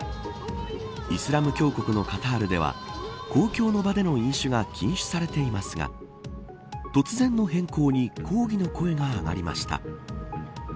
イスラム教国のカタールでは公共の場での飲酒が禁止されていますが突然の変更に抗議の声が上がりました。